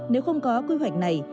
nếu không có quy hoạch này